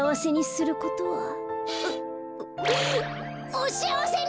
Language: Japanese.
おしあわせに！